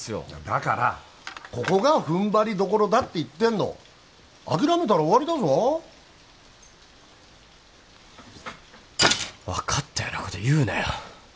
だからここが踏ん張りどころだって言ってんの諦めたら終わりだぞ分かったようなこと言うなよ